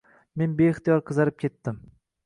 Men beixtiyor qizarib ketdim